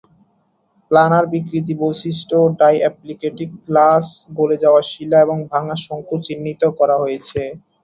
Planer বিকৃতি বৈশিষ্ট্য, ডাইঅ্যাপ্লিকেটিক glass, গলে যাওয়া শিলা এবং ভাঙা শঙ্কু চিহ্নিত করা হয়েছে।